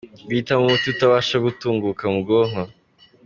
Guhitamo umuti utabasha gutunguka mu bwonko.